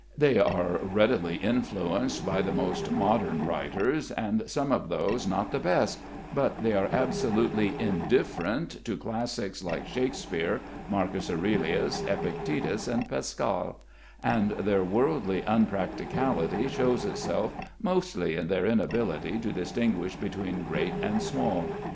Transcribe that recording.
They are readily influenced by the most modern writers, and some of those not the best, but they are absolutely indifferent to classics like Shakespeare, Marcus Aurelius, Epictetus and Pascal; and their worldly unpracticality shows itself mostly in their inability to distinguish between great and small.